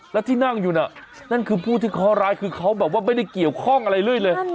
แล้วที่นั่งอยู่น่ะนั่นคือผู้ที่เคาะร้ายคือเขาแบบว่าไม่ได้เกี่ยวข้องอะไรเรื่อยเลย